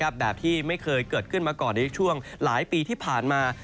แบบที่ไม่เคยเกิดขึ้นมาก่อนในช่วงหลายปีที่ผ่านมา